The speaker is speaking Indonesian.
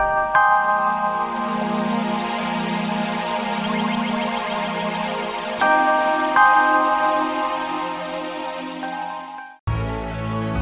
aku sudah selesai